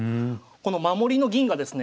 この守りの銀がですね